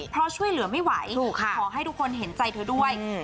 เพราะช่วยเหลือไม่ไหวขอให้ทุกคนเห็นใจเธอด้วย